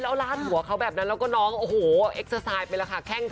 ลาดหัวเขาแบบนั้นแล้วน้องแค่คลอง